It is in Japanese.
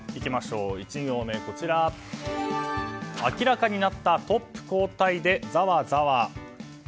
１行目は、明らかになったトップ交代でザワザワ。